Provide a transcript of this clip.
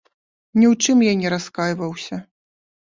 Ні ў чым я не раскайваўся.